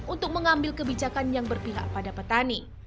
untuk mengambil kebijakan yang berpihak pada petani